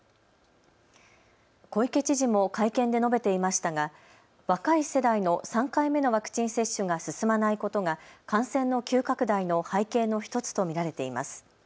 小池知事も会見で述べていましたが、若い世代の３回目のワクチン接種が進まないことが感染の急拡大の背景の１つと見られています。